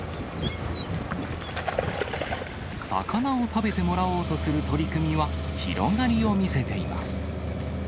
魚を食べてもらおうとする取り組みは広がりを見せています。